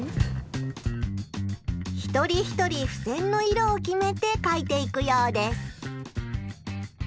一人一人ふせんの色を決めて書いていくようです。